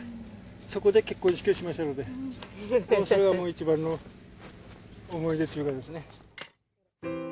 そこで結婚式をしましたのでそれがもう一番の思い出というかですね。